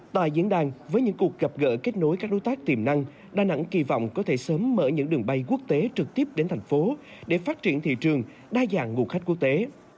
tại diễn đàn với những cuộc gặp gỡ kết nối các đối tác tiềm năng đà nẵng kỳ vọng có thể sớm mở những đường bay quốc tế trực tiếp đến thành phố để phát triển thị trường đa dạng nguồn khách quốc tế